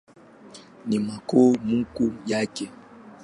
Ni makao makuu yake.